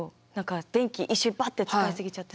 電気一緒にバッと使い過ぎちゃって。